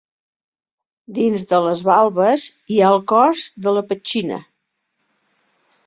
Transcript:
Dins de les valves hi ha el cos de la petxina.